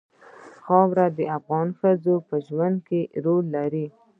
خاوره د افغان ښځو په ژوند کې رول لري.